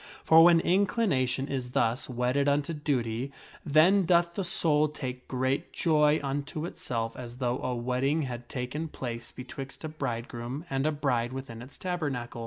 For when inclination is thus wedded unto duty, then doth the soul take great joy unto itself as though a wedding had taken place betwixt a 'bridegroom and a bride within its tabernacle.